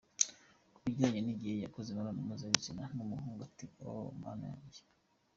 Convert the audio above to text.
Kubijyanye n’igihe yakoze imibonano mpuzabitsina n’umuhungu, ati :”Ohhh Mana yanjye,.